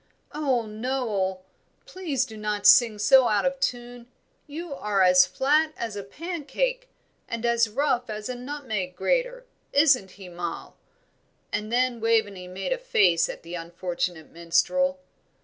"Oh, Noel, please do not sing so out of tune; you are as flat as a pancake, and as rough as a nutmeg grater, isn't he, Moll?" and then Waveney made a face at the unfortunate minstrel.